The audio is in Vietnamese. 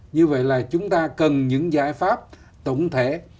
như vậy là chúng ta cần những giải pháp tổng thể